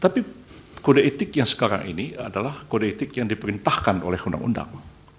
tapi kode etik yang sekarang ini adalah kode etik yang diperintahkan oleh undang undang